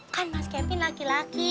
kan mas kevin laki laki